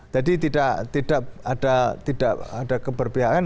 jadi tidak ada keberpihakan